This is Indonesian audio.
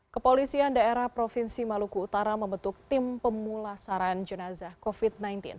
kepolisian daerah provinsi maluku utara membentuk tim pemulasaran jenazah covid sembilan belas